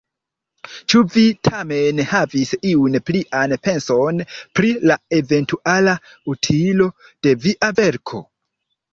Ĉu vi tamen havis iun plian penson, pri la eventuala utilo de via verko?